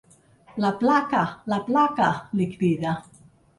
La placa, la placa, li crida.